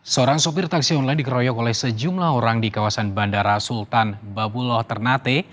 seorang sopir taksi online dikeroyok oleh sejumlah orang di kawasan bandara sultan babuloh ternate